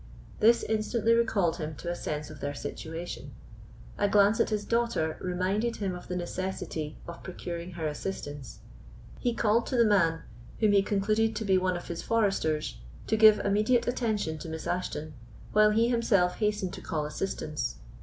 This instantly recalled him to a sense of their situation: a glance at his daughter reminded him of the necessity of procuring her assistance. He called to the man, whom he concluded to be one of his foresters, to give immediate attention to Miss Ashton, while he himself hastened to call assistance.